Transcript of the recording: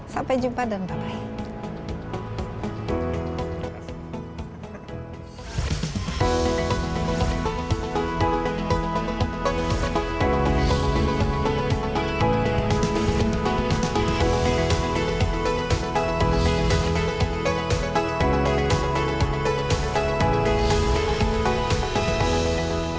sampai jumpa dan bye bye